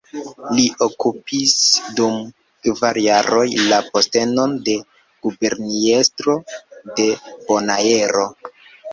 Li okupis dum kvar jaroj la postenon de Guberniestro de Bonaero.